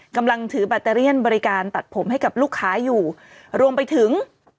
กำลังถือแบตเตอเลียนบริการตัดผมให้กับลูกค้าอยู่รวมไปถึง